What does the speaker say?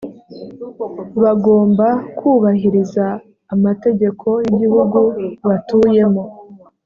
bagomba kubahiriza amategeko y igihugu batuyemo